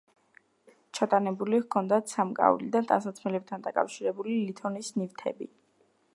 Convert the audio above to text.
ჩატანებული ჰქონდათ სამკაული და ტანსაცმელთან დაკავშირებული ლითონის ნივთები.